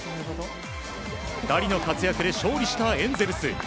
２人の活躍で勝利したエンゼルス。